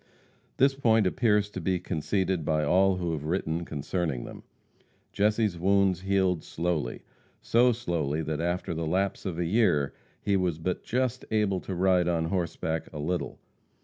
This point appears to be conceded by all who have written concerning them. Jesse's wounds healed slowly so slowly that after the lapse of a year he was but just able to ride on horseback a little.